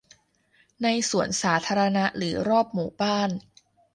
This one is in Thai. ในสวนสาธารณะหรือรอบหมู่บ้าน